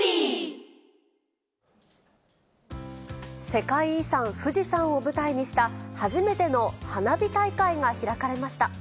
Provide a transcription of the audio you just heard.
世界遺産、富士山を舞台にした初めての花火大会が開かれました。